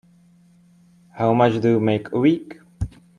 How much do you make a week?